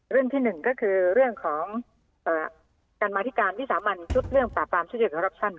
เรื่องที่หนึ่งก็คือเรื่องของเอ่อการมาตรการที่สามอันชุดเรื่องปราปรามสุจิกรับชั้นค่ะ